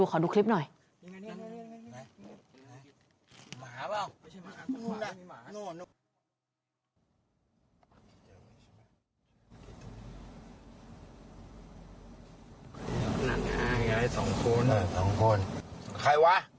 อยู่หน้าโกรธพอดีแล้ว